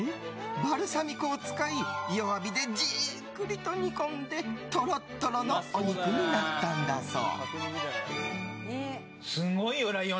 バルサミコを使い弱火でじっくりと煮込んでトロットロのお肉になるんだそう。